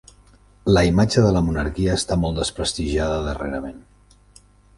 La imatge de la monarquia està molt desprestigiada darrerament.